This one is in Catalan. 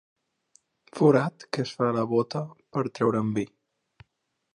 Forat que es fa a la bóta per treure'n vi.